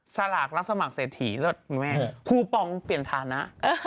สลากรับสมัครเศรษฐีแล้วคุณแม่คูปองเปลี่ยนฐานะ